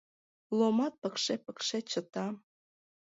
Ломат пыкше-пыкше чыта...